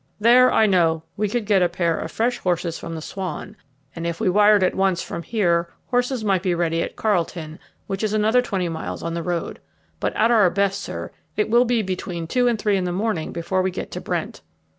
There, I know, we could get a pair of fresh horses from the Swan; and if we wired at once from here, horses might be ready at Carlton, which is another twenty miles on the road. But, at our best, sir, it will be between two and three in the morning before we get to Brent."